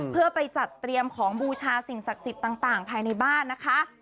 เพื่อไปจัดเตรียมของบูชาสิ่งศักดิ์สิทธิ์ต่างภายในบ้านนะคะ